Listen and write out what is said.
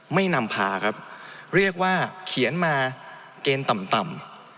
นำพาครับเรียกว่าเขียนมาเกณฑ์ต่ำต่ำ